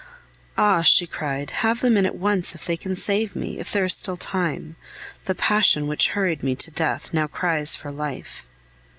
"Ah!" she cried, "have them in at once if they can save me, if there is still time. The passion which hurried me to death now cries for life!"